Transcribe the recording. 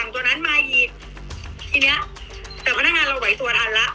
ตัวนั้นมาอีกทีเนี้ยแต่พนักงานเราไหวตัวทันแล้ว